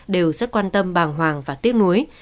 đều rất quan tâm bàng hoàng và tiếc nuối